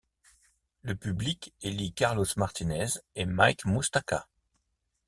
Le public élit Carlos Martínez et Mike Moustakas.